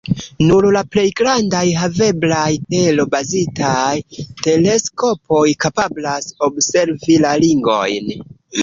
Nur la plej grandaj haveblaj tero-bazitaj teleskopoj kapablas observi la ringojn.